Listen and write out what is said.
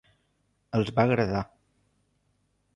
Els va agradar.